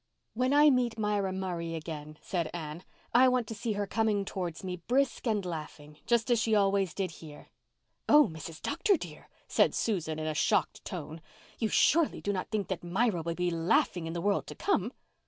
"When I meet Myra Murray again," said Anne, "I want to see her coming towards me, brisk and laughing, just as she always did here." "Oh, Mrs. Dr. dear," said Susan, in a shocked tone, "you surely do not think that Myra will be laughing in the world to come?"